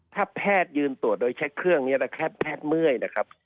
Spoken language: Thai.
ถ้าแพทย์ยืนตรวจโดยใช้เครื่องนี้นะครับแพทย์เมื่อยนะครับ